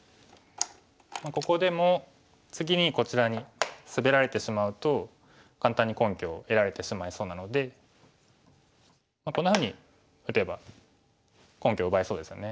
ここでも次にこちらにスベられてしまうと簡単に根拠を得られてしまいそうなのでこんなふうに打てば根拠を奪えそうですよね。